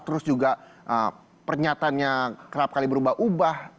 terus juga pernyataannya kerap kali berubah ubah